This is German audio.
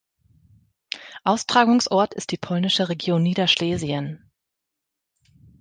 Austragungsort ist die polnische Region Niederschlesien.